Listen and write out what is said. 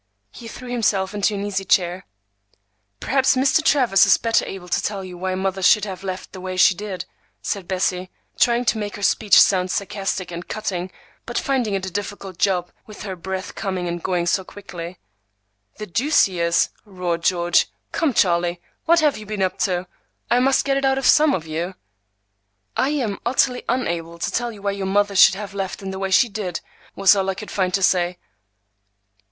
He threw himself into an easy chair. "Perhaps Mr. Travers is better able to tell you why mother should have left in the way she did," said Bessie, trying to make her speech sound sarcastic and cutting, but finding it a difficult job, with her breath coming and going so quickly. "The deuce he is!" roared George. "Come, Charlie, what have you been up to? I must get it out of some of you." "I am utterly unable to tell you why your mother should have left in the way she did," was all I could find to say.